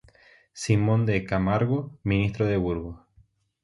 Simón de Camargo, Ministro de Burgos.